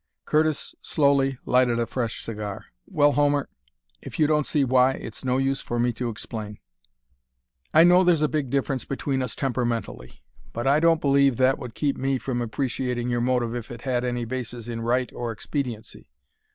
Curtis slowly lighted a fresh cigar. "Well, Homer, if you don't see why, it's no use for me to explain." "I know there's a big difference between us temperamentally; but I don't believe that would keep me from appreciating your motive if it had any basis in right or expediency.